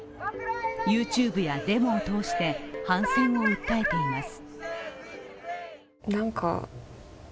ＹｏｕＴｕｂｅやデモを通して反戦を訴えています。